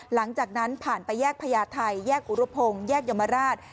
หลังจากนั้นผ่านไปแยกพญาไทยแยกอุรพงศ์แยกยมราช